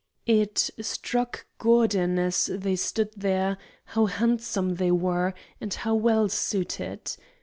It struck Gordon, as they stood there, how handsome they were and how well suited.